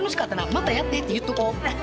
「またやって」って言っとこう。